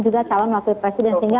juga calon wakil presiden sehingga